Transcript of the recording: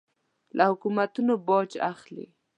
له حکومتونو باج اخلي.